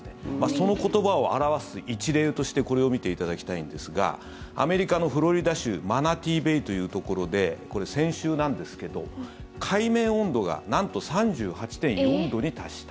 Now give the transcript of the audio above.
その言葉を表す一例としてこれを見ていただきたいんですがアメリカのフロリダ州マナティーベイというところで先週なんですけど、海面温度がなんと３８．４度に達した。